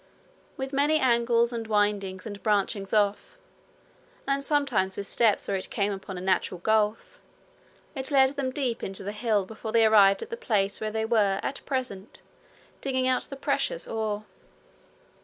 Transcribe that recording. With many angles and windings and branchings off, and sometimes with steps where it came upon a natural gulf, it led them deep into the hill before they arrived at the place where they were at present digging out the precious ore.